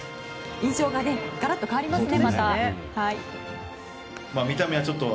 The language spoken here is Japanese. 印象がガラッと変わりますね。